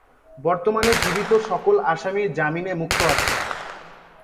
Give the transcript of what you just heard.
বর্তমানে জীবিত সকল আসামি জামিনে মুক্ত আছেন।